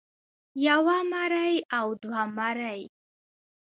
يوه مرۍ او دوه مرۍ